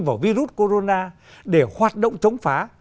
vào virus corona để hoạt động chống phá